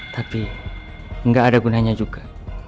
tapi nggak ada gunanya juga